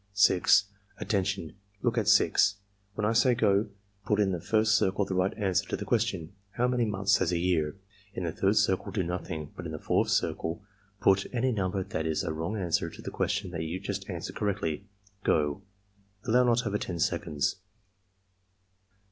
6. "Attention! Look at 6. When I say 'go' put in the first circle the right answer to the question: "How many months has a year?' In the third circle do nothing, but in the fourth circle put any number that is a wrong answer to the question EXAMINER'S GUIDE 59 that you just answered correctly. — Go!" (Allow not over 10 seconds.)